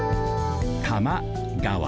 多摩川。